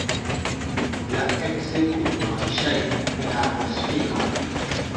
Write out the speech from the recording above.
La ekzekutoj ŝajne ne havos finon.